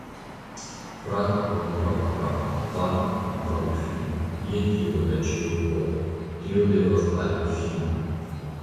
Frato kontraŭ frato, patro kontraŭ filo; je Dio, la ĉiopova, tio devas havi finon!